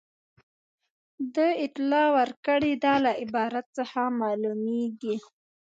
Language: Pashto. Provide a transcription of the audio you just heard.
د اطلاع ورکړې ده له عبارت څخه معلومیږي.